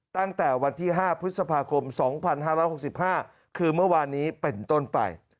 ตั้งแต่วันที่๕พฤษภาคม๒๕๖๕คือเมื่อวานนี้เป็นต้นไป